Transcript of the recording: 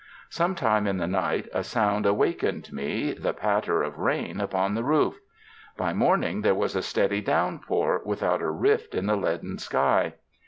Sometime in the night, a sound awakened me, the patter of rain upon the roof. By morning there was a steady downpour without a rift in the leaden sky.